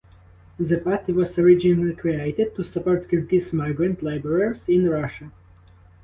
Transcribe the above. The party was originally created to support Kyrgyz migrant laborers in Russia.